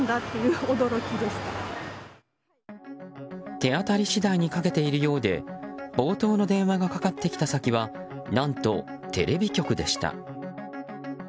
手あたり次第にかけているようで冒頭の電話がかかってきた先は何と、テレビ局でした。